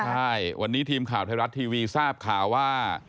ใช่วันนี้ทีมข่าวไทยรัฐทีวีทราบข่าวว่า